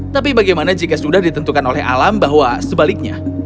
tapi bagaimana jika sudah ditentukan oleh alam bahwa sebaliknya